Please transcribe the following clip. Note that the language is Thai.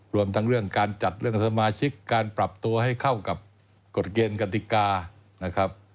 รวมทั้งเรื่องการจัดเรื่องสมาชิกการปรับตัวให้เข้ากับกฎเกณฑ์กติกานะครับ